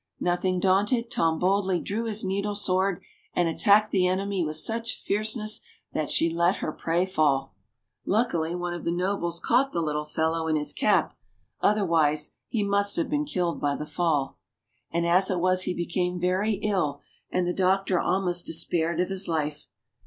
Nothing daunted, Tom boldly drew his needle sword and attacked the enemy with such fierceness that she let her prey fall. Luckily one of the nobles caught the little fellow in his cap, otherwise he must have been killed by the fall. As it was he became very ill, and the doc tor almost despaired of his life.